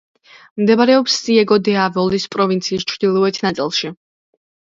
მდებარეობს სიეგო-დე-ავილის პროვინციის ჩრდილოეთ ნაწილში.